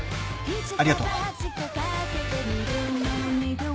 ありがとう。